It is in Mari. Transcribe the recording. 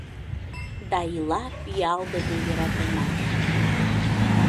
Да ила пиалдыме йӧратымаш.